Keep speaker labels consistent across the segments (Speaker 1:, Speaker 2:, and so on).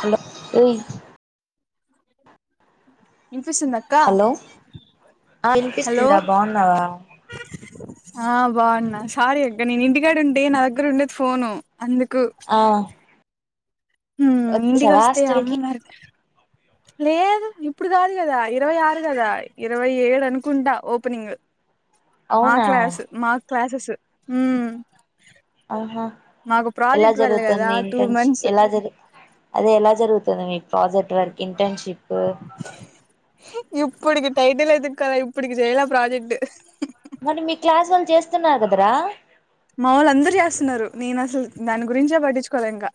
Speaker 1: Hello ఓయ్
Speaker 2: వినిపిస్తుందా అక్క
Speaker 1: హలో ఆ
Speaker 2: హలో
Speaker 1: వినిపిస్తుందా బాన్నావా
Speaker 2: ఆ బాగున్నా సారీ అక్క నేను ఇంటికాడ ఉంటె నా దగ్గర ఉండదు ఫోను అందుకు ఇంటికి
Speaker 1: వచ్చావా
Speaker 2: వస్తే అమ్మ
Speaker 1: హాస్టల్కిి
Speaker 2: మరి లేదు ఇప్పుడు కాదు కదా ఇరవై ఆరు కదా ఇరవై ఏడు అనుకుంటా ఓపెనింగ్ మా
Speaker 1: అవునా
Speaker 2: క్లాస్ మా క్లాసస్ ఊ
Speaker 1: ఆహా ఎలా
Speaker 2: కదా
Speaker 1: జరుగుతుంది
Speaker 2: టూ
Speaker 1: ఇంటర్న్షిప్
Speaker 2: మంత్స్
Speaker 1: ఎలా జరుగు అదే ఎలా జరుగుతు కదా మీ ప్రాజెక్ట్ వర్క్ ఇంటర్న్షిప్
Speaker 2: ఇప్పుటికి టైటిల్ ఎదుక్కోలె ఇప్పుటికి చెయ్యలే ప్రాజెక్ట్
Speaker 1: తింటునవ్ గదరా
Speaker 2: మావళ్లు అందరూ చేస్తున్నారు నేను అసలు దాని గురించే పట్టించుకోలే ఇంకా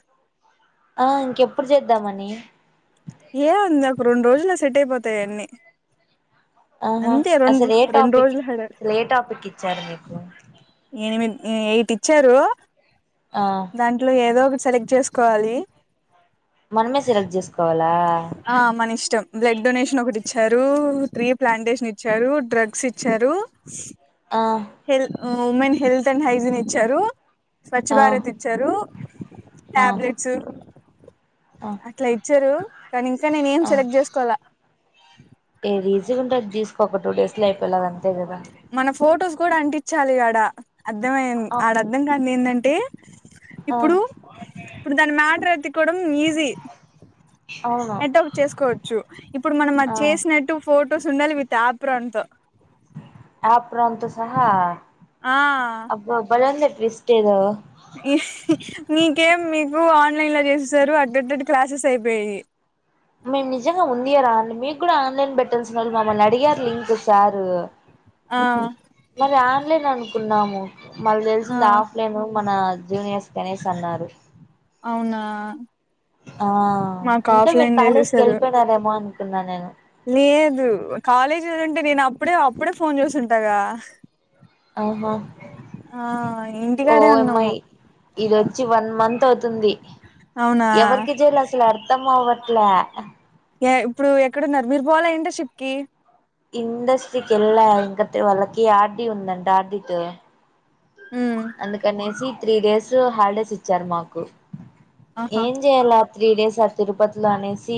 Speaker 1: ఆ ఇంకెప్పుడు చేద్దామని
Speaker 2: ఏ ఉంది ఒక రెండు రోజుల్లో సెట్ అయిపోతాయిన్నీ
Speaker 1: ఆహా అసలు ఏ టాపిక్
Speaker 2: రోజులు
Speaker 1: ఏ టాపిక్ ఇచ్చారు మీకు
Speaker 2: ఏనిమిద్ ఉ ఎయిట్ ఇచ్చారు
Speaker 1: ఆ
Speaker 2: దాంట్లో ఏదో ఒకటి సెలెక్ట్ చేసుకోవాలి
Speaker 1: మనమే సెలక్ట్ చేసుకోవాలి
Speaker 2: ఆ మనిష్టం బ్లడ్ డొనేషన్ ఒకటి ఇచ్చారు త్రీ ప్లాంటేషన్ ఇచ్చారు డ్రగ్స్ ఇచ్చారు
Speaker 1: ఆ
Speaker 2: హెల్ ఉమెన్ హెల్త్ అండ్ హైజిన్ ఇచ్చారు స్వచ్ఛ
Speaker 1: ఆ
Speaker 2: భారత్ ఇచ్చారు
Speaker 1: ఆ
Speaker 2: టాబ్లెట్స్
Speaker 1: ఆ
Speaker 2: అట్లా ఇచ్చారు కానీ ఇంకా నేను ఏం
Speaker 1: ఆ
Speaker 2: సెలెక్ట్ చేసుకోలా
Speaker 1: ఏది ఈజీగా ఉంటె అది తీసుకో ఒక టూడేస్ లో అయిపోలాగ అంతే కదా
Speaker 2: మన ఫొటోస్ కూడా అంటించాలి ఆడ అర్థమై
Speaker 1: ఆ
Speaker 2: ఆడ అర్ధం కానీది ఏంటంటే
Speaker 1: ఆ
Speaker 2: ఇప్పుడు ఇప్పుడు దానిమ్యాటర్ ఎత్తుక్కోడం ఈజీ
Speaker 1: అవును
Speaker 2: ఎట్టోకటు చేసుకోవచ్చు ఇప్పుడు మనం అది
Speaker 1: ఆ
Speaker 2: చేసినట్టు ఫొటోస్ ఉండాలి విత్ అప్రాన్ తో
Speaker 1: ఆప్రాన్ తో సహా
Speaker 2: ఆ
Speaker 1: అబ్బ బలేవుందే ట్విస్ట్ ఏదో
Speaker 2: మీకేం మీకు ఆన్లైన్ లో చేసిస్తారు అటెటిట్ల క్లాసెస్ అయిపోయాయి
Speaker 1: మేము నిజంగా ఉందియ రా మీకు కూడా ఆన్లైన్ పెట్టాల్సింది మమ్మల్ని అడిగారు లింక్ సారూ
Speaker 2: ఆ
Speaker 1: మరి ఆన్లైన్ అనుకున్నాము
Speaker 2: ఆ
Speaker 1: మళ్ళతెలిసింది ఆఫ్లైన్ మన జూనియర్సకనేస్ అన్నారు
Speaker 2: అవునా
Speaker 1: ఆ
Speaker 2: మాకు
Speaker 1: ఇంకా మీరు
Speaker 2: ఆఫ్లైన్
Speaker 1: కాలేజీకి
Speaker 2: చేసేసారు
Speaker 1: వెళ్ళిపోయినారేమో అనుకున్నా నేను
Speaker 2: లేదు కాలేజ్ ఉదంటే నేను అప్పుడే అప్పుడే ఫోన్ చేసుంటాగా
Speaker 1: ఆహా
Speaker 2: ఇంటికాడే ఉన్నాము
Speaker 1: ఓమ్మాయి ఈలోపు వచ్చి వన్ మంత్ అవుతుంది
Speaker 2: అవునా
Speaker 1: ఎవరికి చేయాల అసలు అర్థం అవ్వట్లే
Speaker 2: య ఇప్పుడు ఎక్కడున్నారు మీరు పోలే ఇంటర్నషిప్ కి?
Speaker 1: ఇండస్ట్రీకేళ్లా ఎంగత్ వాళ్కి ఆర్టీ ఉందంట ఆటీతో అందుకనేసి త్రీ డేస్ హాలిడేస్ ఇచ్చారు మాకు
Speaker 2: ఆహా
Speaker 1: ఏం చేయాల త్రీ డేస్ ఆ తిరుపతిలో అనేసి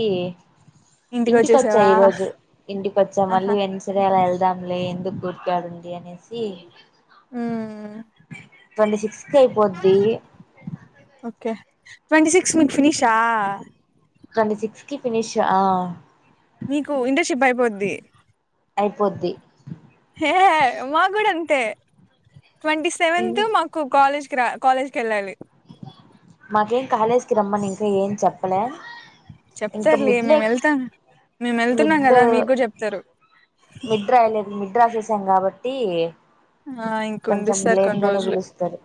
Speaker 2: ఇంటికి
Speaker 1: ఇంటికొచ్చా
Speaker 2: వచ్చేసావా
Speaker 1: ఈ రోజు ఇంటికోచ్చా మళ్ళీ ఎన్సఢే అలా వెళ్ల దామ్లే ఎందుకు గుర్కాడుందీ అనేసి
Speaker 2: ఆహా
Speaker 1: ట్వంటీ సిక్స్ తేపోద్ది
Speaker 2: ఓకే ట్వంటీ సిక్స్ మికు ఫినిషా
Speaker 1: ట్వంటీసిక్స్కి ఫినిష్ ఆ
Speaker 2: మీకు ఇంటర్షిప్ అయిపోద్ది
Speaker 1: అయిపోద్ది
Speaker 2: హే మా కూడ అంతే ట్వంటీ సెవెంత్ మాకు కాలేజ్ క్ర కాలేజ్కెళ్ళాలి
Speaker 1: నాకేం కాలేజ్కి రమ్మనయితే ఏం చెప్పలే ఇంకా
Speaker 2: చెప్తారులే
Speaker 1: మిడ్లే
Speaker 2: మేమెళ్తాం మేమెళ్తున్నాం కదా మీకు కూడా చెప్తారు.
Speaker 1: మిడ్రాయ లేం మిడ్రా చేసాం కాబట్టీ
Speaker 2: ఆ ఇంకుండు
Speaker 1: కొంచెం
Speaker 2: సార్ కొన్ని
Speaker 1: లేట్గానే
Speaker 2: రోజులు
Speaker 1: పిలుస్తారు.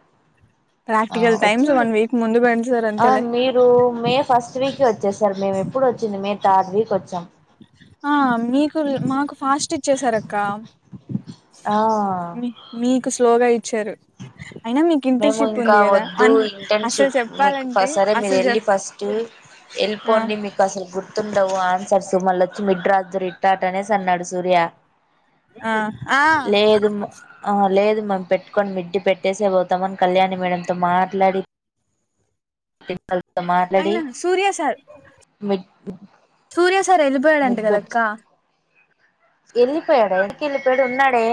Speaker 1: ఆ
Speaker 2: ప్రాక్టికల్ టైమ్స్
Speaker 1: వచ్చింది
Speaker 2: వన్ వీక్ ముందు పెడతారు
Speaker 1: ఆ
Speaker 2: అంతేలే
Speaker 1: మీరు మే ఫస్ట్ వీక్ వ చేసారు మేము ఎప్పుడు వచ్చింది మేము థర్డ్ వీక్ వచ్చాం.
Speaker 2: ఆ మీకుల్ మాకు ఫాస్ట్ ఇచ్చేసారు అక్క
Speaker 1: ఆ
Speaker 2: మీ మీకు స్లోగా ఇచ్చారు. అయినా మీకు
Speaker 1: మేము
Speaker 2: ఇంటర్న్షిప్
Speaker 1: ఇంకా
Speaker 2: ఉంది కదా అ
Speaker 1: వద్దు
Speaker 2: అసలు
Speaker 1: ఇంటర్న్షిప్ మీకు
Speaker 2: చెప్పాలంటే
Speaker 1: సరే
Speaker 2: అసలు చె
Speaker 1: మీరేళ్ళి ఫస్టు
Speaker 2: ఆ
Speaker 1: ఎళ్ళ్పోండి మీకు అసలు గుర్ తుండవు ఆన్సర్స్ మళ్ళొచ్చి మిడ్ రాద్ధురు ఇట్టాట అనేసి అన్నాడు సూర్య
Speaker 2: ఆ ఆ
Speaker 1: లేదున్ ఆ లేదు మేము పెట్టుకొని మిడ్డి పెట్టేసే పోతమని కళ్యాణి మేడంతో మాట్లాడి ప్రిన్సిపల్తో మాట్లాడి
Speaker 2: అయినా Surya sir
Speaker 1: mid
Speaker 2: Surya sir ఎళ్ళిపోయాడంట కదక్క?
Speaker 1: ఎళ్ళిపోయాడా యాడకెళ్ళిపోయాడు ఉన్నాడే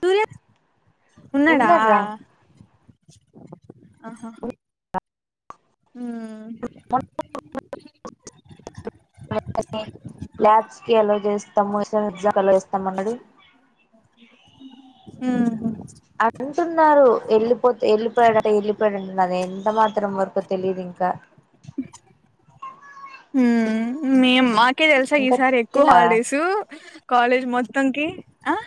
Speaker 2: సూర్య ఉన్నాడా
Speaker 1: ఉన్నాడ్రా
Speaker 2: ఆహా
Speaker 1: [unintelligible] ఎంతకీ ల్యాబ్స్ కి ఎలో జేస్తము ఏసా ఎగ్జా క అల ఏస్తాము అన్నాడు
Speaker 2: ఉహు
Speaker 1: అంటున్నారు వెళ్ళిపోతె వెళ్ళిపోయాడట వెళ్ళిపోయాడుంటనారె అది ఎంత మాత్రం వరకో తెలిదు ఇంకా
Speaker 2: ఉమ్ మీ మా కి తెలుసా
Speaker 1: ఇంకా
Speaker 2: ఈసారి ఎక్కువ
Speaker 1: తిన్నావా
Speaker 2: హాలిడేస్ కాలేజ్ మొత్తం కి ఆ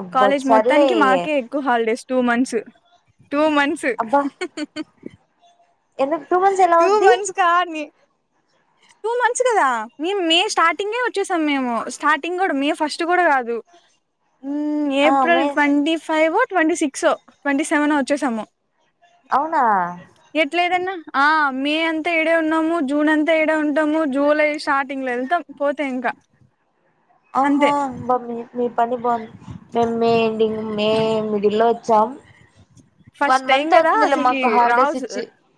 Speaker 1: అబ్బో
Speaker 2: కాలేజ్
Speaker 1: సర్లే
Speaker 2: మొత్తానికి మాకే ఎక్కువ holidays two months two months ఊహ్హ్హ్
Speaker 1: ఎందు టూ మంత్స్ ఎలా ఉద్ది?
Speaker 2: మంత్స్ కానీ
Speaker 1: వచ్చిందా
Speaker 2: టూ మంత్స్ కదా మేము మే స్టార్టింగే వచ్చేసాం మేము స్టార్టింగ్ కూడా మే ఫస్ట్ కూడా కాదు. మ్
Speaker 1: ఆ
Speaker 2: ఏప్రిల్
Speaker 1: మే
Speaker 2: ట్వంటీ ఫైవో, ట్వంటీ సిక్సో, ట్వంటీ సెవెనో వచ్చేసాము.
Speaker 1: అవునా
Speaker 2: లేదన్న ఆ మే అంతా ఈడే ఉన్నాము జూన్ అంతా ఈడే ఉంటాము జూలై స్టార్టింగ్ లో వెళ్తాం పోతే ఇంకా అంతే
Speaker 1: ఆహా బా మీ మీ పని బాగుంది మేం మే ఎండింగ్ మే మిడిల్ లో చ్చాం
Speaker 2: ఫస్ట్ టైం కదా అసలకి రాజ్
Speaker 1: ఇచ్చి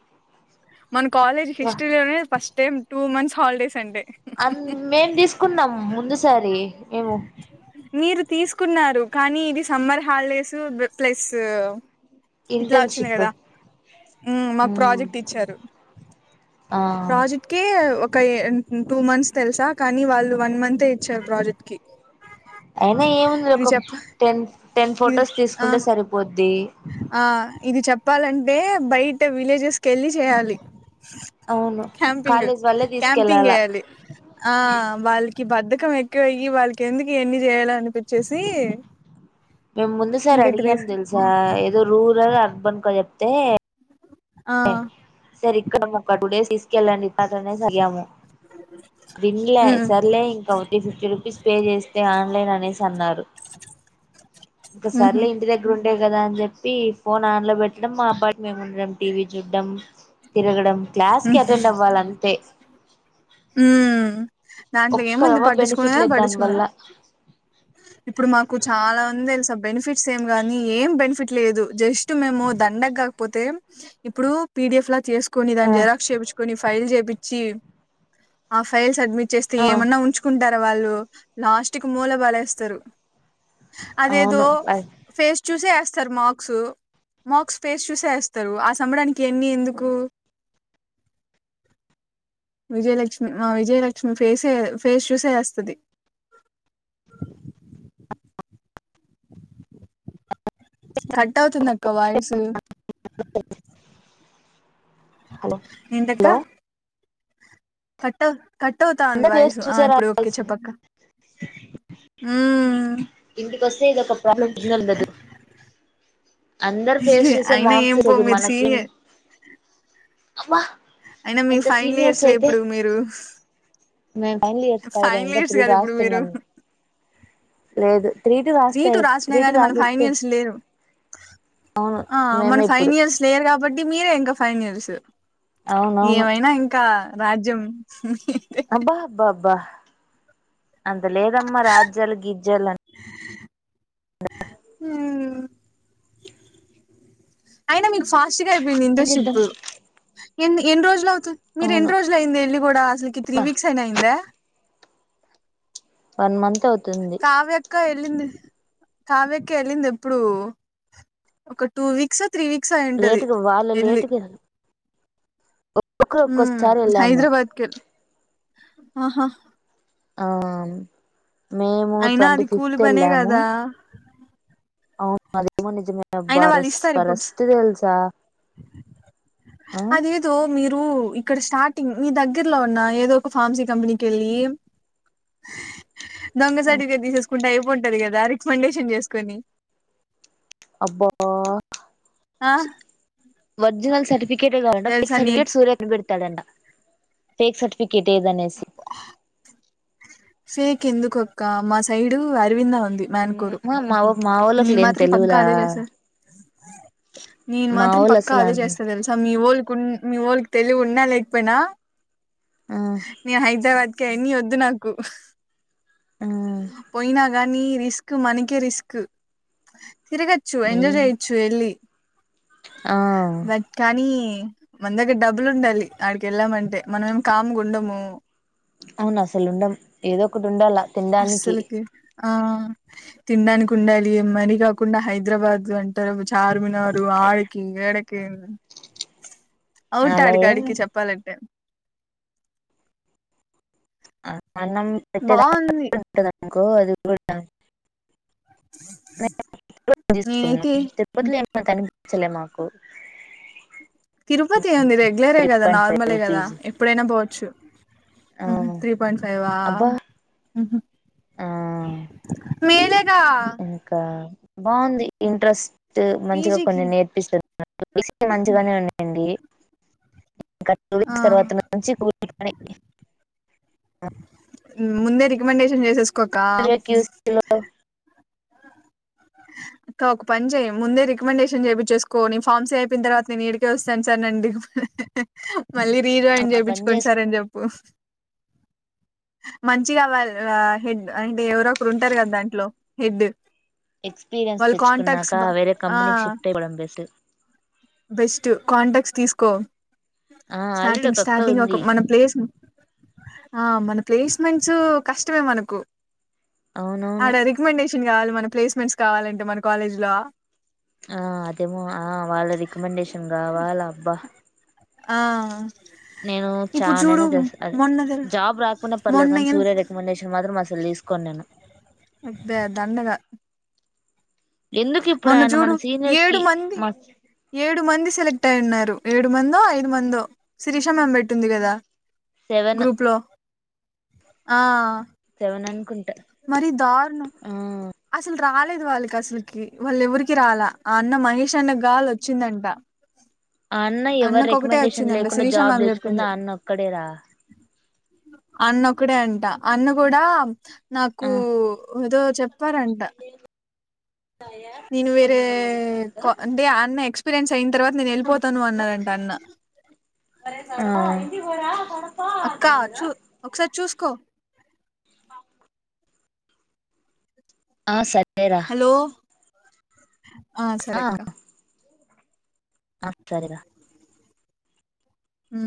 Speaker 2: మన కాలేజ్ హిస్టరీ లోనే first time two months holidays అంటే
Speaker 1: అన్ మేం తీసుకున్నాం ముందుసారి మేము
Speaker 2: మీరు తీసుకున్నారు కానీ ఇది సమ్మర్ హాలిడేస్ ప్లస్ ఇట్లా వచ్చింది
Speaker 1: ఇంటర్న్షిప్
Speaker 2: కదా ఉమ్ మాకు
Speaker 1: మ్మ్
Speaker 2: ప్రాజెక్ట్ ఇచ్చారు
Speaker 1: ఆ
Speaker 2: ప్రాజెక్ట్ కి ఒక ఎన్ టూ మంత్స్ తెలుసా కానీ వాళ్ళు వన్ మంతే ఇచ్చారు ప్రాజెక్ట్ కి
Speaker 1: అయినా ఏముందిలే
Speaker 2: ఇది
Speaker 1: ఒక
Speaker 2: చెప్ప
Speaker 1: టెన్ టెన్
Speaker 2: ఇది
Speaker 1: ఫొటోస్
Speaker 2: ఆ
Speaker 1: తీసుకుంటే సరిపోద్ది
Speaker 2: ఆ ఇది చెప్పాలంటే బయట విలేజెస్ కెళ్ళి చేయాలి
Speaker 1: అవును
Speaker 2: క్యాపింగ్
Speaker 1: కాలేజ్ వాళ్ళే
Speaker 2: క్యాపింగ్
Speaker 1: తీసుకెళ్ళాలా
Speaker 2: ఎయాలి ఆ వాళ్ళకి బద్ద క్కం ఎక్కువయ్యి వాళ్ళకి ఎందుకు ఈయన్ని చేయాలనిపించేసి
Speaker 1: మేము ముందు సారి అడిగాము తెలుసా ఏదో రూరల్ అర్బన్ కొ చెప్తే
Speaker 2: ఆ
Speaker 1: సర్ ఇక్కడ ఒక టూ డేస్ తీసుకెళ్ళండి సర్ అనేసి అడిగాము విన్లే
Speaker 2: ఉమ్
Speaker 1: సర్లే ఇంక త్రి ఫిఫ్టీ రూపీస్ పే చేస్తే ఆన్లైన్ అనే సి అన్నారు ఇక
Speaker 2: ఉహు
Speaker 1: సర్లే ఇంటి దగ్గర ఉం ఉండే కదా అని చెప్పి ఫోన్ ఆన్ లో పెట్టడం మా పాటకి మేము ఉండడం టీవీ చూడ్డం తిరగడం క్లాస్ కి అటెండ్ అవ్వాల అంతే
Speaker 2: ఉమ్ దాంట్లో ఏముంది
Speaker 1: ఒక్కరవ్వ
Speaker 2: పట్టించుకొనే
Speaker 1: బెనిఫిట్ లేదు దాని
Speaker 2: పటించుకొను
Speaker 1: వల్ల
Speaker 2: ఇప్పుడు మా కు చాలా మంది తెలుసబ్బ బెనిఫిట్స్ ఏం గాని ఏం బెనిఫిట్ లేదు జస్ట్ మేము దండగా పోతే ఇప్పుడు పిడిఎఫ్ లా చేసుకొని
Speaker 1: ఆ
Speaker 2: దాని జెరాక్స్ చేయించుకొని ఫైల్ చేపిచ్చి ఆ ఫైల్ సబ్మిట్ చేస్తే
Speaker 1: ఆ
Speaker 2: ఏమన్నా ఉంచుకుంటా వాళ్ళు లాస్ట్కు మూల పలేస్తారు అదేదో
Speaker 1: అవును
Speaker 2: ఫేస్ చూసే ఎస్తారు మార్క్స్ మార్క్స్ ఫేస్ చూసే ఎస్తారు ఆ సంబడానికి ఇయ్యని ఎందుకు విజయలక్ష్మి మా విజయలక్ష్మి ఫేసే ఫేస్ చూసే ఎస్తది కట్ అవుతుందక్క వాయిసు
Speaker 1: హలో
Speaker 2: ఏంటక్క
Speaker 1: హలో
Speaker 2: కట్ అవ్ కట్ అవుతా ఉంది వాయిసు ఆ ఇప్పుడు ఓకే చెప్పక్క మ్మ్
Speaker 1: ఇంటికోస్తే ఇదొక ప్రాబ్లం సిగ్నల్ అందరు ఫేస్ చూసే
Speaker 2: అయినా
Speaker 1: మార్క్స్
Speaker 2: ఏం పో
Speaker 1: దు
Speaker 2: మీరు
Speaker 1: మనకి
Speaker 2: సీనియర్
Speaker 1: అబ్బా
Speaker 2: అయినా మీ
Speaker 1: ఎంత
Speaker 2: ఫైనల్
Speaker 1: సీనియర్స్
Speaker 2: ఇయర్స్ లో
Speaker 1: అయితే
Speaker 2: ఇప్పుడు మీరు
Speaker 1: మేము ఫైనల్ ఇయర్స్ కాదురా
Speaker 2: ఫైనల్
Speaker 1: ఇంకా
Speaker 2: ఇయర్స్
Speaker 1: త్రీ
Speaker 2: కదా ఇప్పుడు మీరు
Speaker 1: రాస్తున్నాం లేదు
Speaker 2: త్రీ
Speaker 1: రాస్తే
Speaker 2: టు రాసినా
Speaker 1: త్రీ టు
Speaker 2: గానీ మన ఫైన్
Speaker 1: రాసిస్తే
Speaker 2: ఇయర్స్ లేరు
Speaker 1: అవును
Speaker 2: ఆ మన
Speaker 1: మేమే
Speaker 2: ఫైన్
Speaker 1: ఇప్పుడు
Speaker 2: ఇయర్స్ లేయరు కాబట్ టి మీరే ఇంకా ఫైన్ ఇయర్స్
Speaker 1: అవునవును
Speaker 2: ఏమైనా ఇంకా రాజ్యం
Speaker 1: అబ్బా అబ్బా అబ్బా అంత లేదమ్మా రాజ్జలు గిజ్జలన్
Speaker 2: మ్ అయినా మీకు ఫాస్ స్ట్గ అపోయింది
Speaker 1: ఏం చేద్దాం
Speaker 2: ఇంటర్న్షిప్ ఎన్ ఎన్ని రోజులవ్ త్ మీరు
Speaker 1: అవును
Speaker 2: ఎన్ని రోజులు అయింది వెళ్ళి కూడా అసలుకి త్రీ వీక్స్ అయిన అయిందా
Speaker 1: వన్ మంత్ అవుతుంది
Speaker 2: కావ్యక్క వెళ్ళింది కావ్యక్క వెళ్ళింది ఎప్పుడు ఒక టూ వీక్స్ త్రీ వీక్స్ ఒ అయింటది
Speaker 1: లేటుగా వాళ్ళు
Speaker 2: వెళ్లి
Speaker 1: లేటుగా ఒక్కొక్కరు
Speaker 2: మ్
Speaker 1: ఒక్కొక్కసారి వెళ్ళాము
Speaker 2: హైదరాబాద్కేలి ఆహా
Speaker 1: అ మేము
Speaker 2: అయినా
Speaker 1: ట్వంటీ
Speaker 2: అది కూలి
Speaker 1: ఫిఫ్త్
Speaker 2: పనే
Speaker 1: వెళ్ళాము
Speaker 2: కదా
Speaker 1: అవును అదేమో నిజమే అబ్బా
Speaker 2: అయినా వాళ్ళు
Speaker 1: వారస్
Speaker 2: ఇస్తారు ఇప్పుడు
Speaker 1: వరస్ట్ తెలుసా ఆ
Speaker 2: అదేదో మీరు ఇక్కడ స్టార్టింగ్ మీ దగ్గరలో ఉన్న ఏదో ఒక ఫార్మ్సీ కంపెనీకేళ్ళి దొంగ సర్టిఫికెట్ తీసేసుకుంటే అయిపోంటది కదా రికమెండేషన్ చేసుకొని
Speaker 1: అబ్బో
Speaker 2: ఆ
Speaker 1: ఒరిజినల్ సర్టిఫీ కేట్ ఉండాలట
Speaker 2: తెలుసా నీ
Speaker 1: సర్టిఫికెట్ సూర్య [unintelligible] తడంట ఫేక్ సర్టిఫికేట్ ఏదనేసి
Speaker 2: ఫేక్ ఎందుకక్క మా సైడు అరవింద ఉంది మన్కూరు
Speaker 1: మా మా మా వోళ్ళకి
Speaker 2: నేను
Speaker 1: లేని
Speaker 2: మాత్రం పక్కా
Speaker 1: తెలివిలా
Speaker 2: అదే చేస నేను
Speaker 1: మా
Speaker 2: మాత్రం
Speaker 1: వోళ్ళు
Speaker 2: పక్కా
Speaker 1: అసలు
Speaker 2: అదే చేస్తా తెలుసా ఒల్ కున్ మీవాళ్లకు తెలివున్నా లేకపోయినా
Speaker 1: ఆ
Speaker 2: నిన్ హైద్రబాద్ కయన్ని వద్దు నాకు
Speaker 1: ఏం
Speaker 2: పోయినా కానీ రిస్క్ మనకే రిస్క్ తిరగచ్చు ఎంజాయ్ చేయొచ్చు వెళ్ళి
Speaker 1: ఆ
Speaker 2: బట్ కానీ మన దగ్గర డబ్బులు ఉండాలి ఆడికేళ్ళామంటే మనం ఏం కామ్ గ ఉండము
Speaker 1: అవును అసలు ఉండం ఏదోకటి ఉండాల తినడానికి
Speaker 2: అస్సలుకి ఆ తినడానికి ఉండాలి మని కాకుండా హైదరాబాద్ అంటర్ చార్మినారు ఆడికి ఇడికి
Speaker 1: అలా ఏం
Speaker 2: అవుటడికడికి చెప్పాలంటే
Speaker 1: అన్నం పెట్టేదన్ని
Speaker 2: బాగుంది
Speaker 1: బట్టి ఉంటదనుకో అది కూడా [unintelligible]
Speaker 2: నేనైతే
Speaker 1: లేకపోతే [unintelligible] చలే మాకు
Speaker 2: తిరుపతి ఎం ఉంది రెగ్యులరే
Speaker 1: త్రీ
Speaker 2: కదా
Speaker 1: పాయింట్
Speaker 2: నార్మలే
Speaker 1: ఫైవ్
Speaker 2: కదా
Speaker 1: పీజీ
Speaker 2: ఎప్పుడైనా పోవచ్చు
Speaker 1: ఆ
Speaker 2: అహ త్రీ పాయింట్ ఫైవ్ అ
Speaker 1: అబ్బా
Speaker 2: మ్ హు
Speaker 1: ఆ ఇంకా బాగుంది ఇంట్రెస్ట్ మంచిగా
Speaker 2: పీజీకి
Speaker 1: కొన్ని నేర్పిస్తది [unintelligible] మంచిగానే ఉందండి ఇంక టూ
Speaker 2: ఆ
Speaker 1: వీక్స్ తర్వాత నుంచి కూలి పని
Speaker 2: ముందే రికమెండేషన్ చేసేసుకో అక్కా
Speaker 1: అహ
Speaker 2: ఒక పని చేయి ముందే రికమెండేషన్ చేయి చేసుకో నీ ఫామ్ సీ అయిన తర్వాత నేను ఇడికే వస్తాను సార్ అండి మళ్ళీ రీజాయిన్ చెప్పుచ్చుకొండి సర్ అని చెప్పు
Speaker 1: అహ
Speaker 2: మంచిగా వాల్ అ హెడ్ అంటే ఎవరోకరు ఉంటారు కదా దాంట్లో హెడ్
Speaker 1: ఎక్స్పీరియన్స్
Speaker 2: వాళ్ళ
Speaker 1: తెచ్చుకున్నాక
Speaker 2: కాంటాక్ట్స్ బా
Speaker 1: వేరే
Speaker 2: ఆ
Speaker 1: కంపెనీకి షిఫ్ట్ అయపోవడం బేస్ట్
Speaker 2: బెస్ట్ కాంటాక్ట్స్ తీసుకో
Speaker 1: ఆ ఆల్రెడీ
Speaker 2: స్టార్టింగ్
Speaker 1: ఒక అక్క
Speaker 2: స్టార్టింగ్
Speaker 1: ఉంది
Speaker 2: ఒక మన ప్లేస్ ఆ మన ప్లేస్మెంట్స్ కష్టమే మనకు
Speaker 1: అవునవును
Speaker 2: అడ రికమెండేషన్ కావాలి మన ప్లేస్మెంట్స్ కావాలంటే మన కాలేజ్ లో
Speaker 1: ఆ అదేమో ఆ వాళ్ళ రికమెండేషన్ రావాల అబ్బా
Speaker 2: ఆ
Speaker 1: నేను
Speaker 2: ఇప్పుడు చూడు
Speaker 1: చావనైనా చస్తాను అది
Speaker 2: మొన్న తెల్
Speaker 1: జాబ్ రాకుండా పర్లేదు
Speaker 2: మొన్న
Speaker 1: కానీ
Speaker 2: ఎంత
Speaker 1: సూర్య రికమెండేషన్ మాత్రం అసలు తీసుకో నేను
Speaker 2: అబ్బే దండగా
Speaker 1: ఎందుకు ఇప్పుడు
Speaker 2: మొన్న
Speaker 1: ఆయన మన
Speaker 2: చూడు
Speaker 1: సీనియర్స్
Speaker 2: ఏడు
Speaker 1: కి
Speaker 2: మంది
Speaker 1: మా
Speaker 2: ఏడు మంది సెలెక్ట్ అయి ఉన్నారు ఏడు మందో ఐదు మందో శిరీష మేం పెట్టింది కదా
Speaker 1: సెవెను
Speaker 2: గ్రూప్ లో ఆ
Speaker 1: దోణానుకి
Speaker 2: మరీ దారుణం అసలు రాలేదు వాళ్ళకి అసలుకి వాళ్ళ ఎవరికి రాలా ఆ అన్న మహేష్ అన్న గాలి వచ్చిందంట
Speaker 1: ఆ అన్న ఎవరు
Speaker 2: అన్నకు ఒకటే
Speaker 1: రికమెండేషన్
Speaker 2: వచ్చిందంట
Speaker 1: లేకుండా
Speaker 2: శిరీష
Speaker 1: జాబ్
Speaker 2: మ్యామ్
Speaker 1: తెచ్చుకుంది
Speaker 2: చెప్పింది
Speaker 1: ఆ అన్న ఒక్కడే రా
Speaker 2: అన్న ఒక్కడే అంట అన్న కూడా నాకు
Speaker 1: ఆ
Speaker 2: ఏదో పరాంతా నేను వేరే అంటే ఆ అన్న ఎక్స్పీరియన్స్ అయిన తర్వాత నేను వెళ్ళిపోతాను అన్నారంటా అన్న
Speaker 1: ఆ
Speaker 2: అక్కా చూ ఒకసారి చూసుకో
Speaker 1: ఆ సరే
Speaker 2: హలో ఆ సరే అక్కా
Speaker 1: ఆ సరే రా
Speaker 2: ఊ